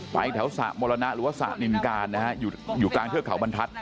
ไปแถวสระมรณะหรือว่าสระนินการนะฮะอยู่กลางเทือกเขาบรรทัศน